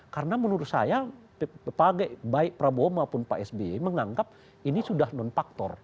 karena menurut saya baik prabowo maupun pak sby menganggap ini sudah non faktor